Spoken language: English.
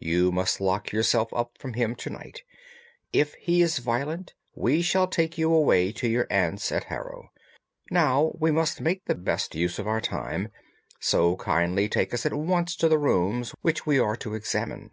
You must lock yourself up from him to night. If he is violent, we shall take you away to your aunt's at Harrow. Now, we must make the best use of our time, so kindly take us at once to the rooms which we are to examine."